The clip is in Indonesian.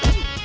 ya udah bang